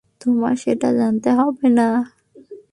তোমার সেটা জানতে হবে না।